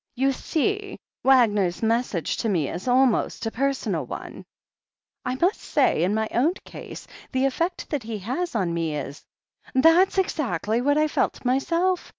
"You see, Wagner's message to me is almost a per sonal one. ..." 1 must say, in my own case, the effect that he has on me is ... That's exactly what I felt myself.